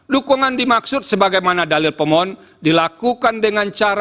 dukungan dimaksud sebagaimana dalil pemohon dilakukan dengan cara